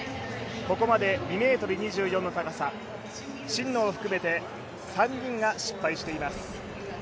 ここまで２ｍ２４の高さ真野を含めて３人が失敗しています